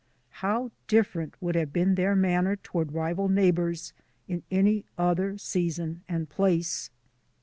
How dif ferent would have been their manner toward rival neighbours in any other season and place!